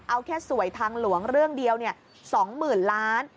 เอาแค่สวยทางหลวงเรื่องเดียว๒๐๐๐ล้าน